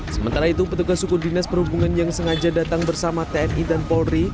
sementara itu petugas suku dinas perhubungan yang sengaja datang bersama tni dan polri